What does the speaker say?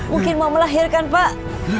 mungkin mau melahirkan pak